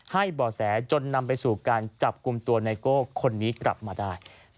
บ่อแสจนนำไปสู่การจับกลุ่มตัวไนโก้คนนี้กลับมาได้